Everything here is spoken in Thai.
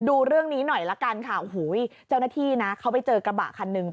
ดูเรื่องนี้หน่อยละกันค่ะโอ้โหเจ้าหน้าที่นะเขาไปเจอกระบะคันหนึ่ง